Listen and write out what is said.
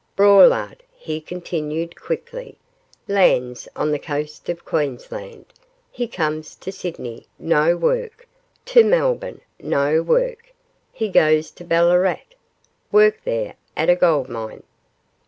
'Braulard,' he continued, quickly, 'lands on the coast of Queensland; he comes to Sydney no work; to Melbourne no work; he goes to Ball'rat work there at a gold mine.